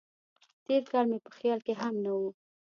تېر کال مې په خیال کې هم نه و.